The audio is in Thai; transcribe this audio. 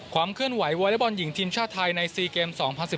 ความเคลื่อนไหววอเล็กบอลหญิงทีมชาติไทยใน๔เกม๒๐๑๘